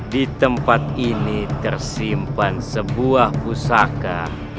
di tempat ini tersimpan sebuah pusaka